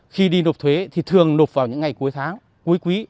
khi đi nộp thuế thì thường nộp vào những ngày cuối tháng cuối quý